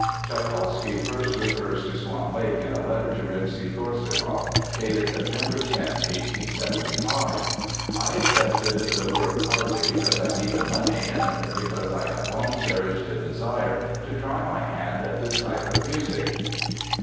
Tschaikowsky first refers to Swan Lake in a letter to Rimsky Korsakoff, dated September 10, 1875: "I accepted the work partly because I need the money and because I have long cherished a desire to try my hand at this type of music."